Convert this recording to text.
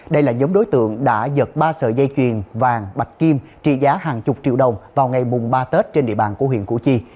đây là giống đối tượng đã giật ba sợi dây chuyền vàng bạch kim trị giá hàng chục triệu đồng vào ngày mùng ba tết trên địa bàn của huyện củ chi